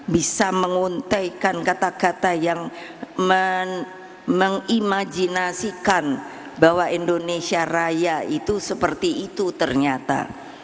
bisa menguntaikan kata kata yang mengimajinasikan bahwa indonesia raya itu seperti itu ternyata